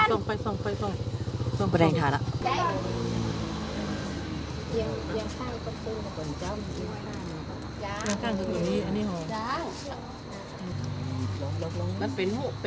ตอนนี้ก็ไม่มีเวลามาเที่ยวกับเวลาเที่ยวกับเวลา